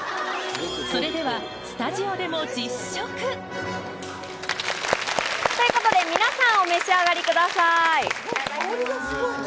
それでは、スタジオでも実食。ということで皆さんお召し上いただきます。